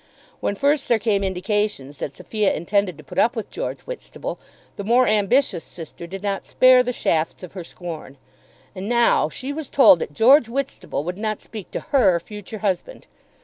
When first there came indications that Sophia intended to put up with George Whitstable, the more ambitious sister did not spare the shafts of her scorn. And now she was told that George Whitstable would not speak to her future husband!